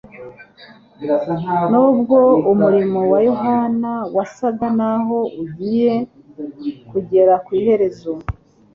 Nubwo umurimo wa Yohana wasaga naho ugiye kugera kw’iherezo,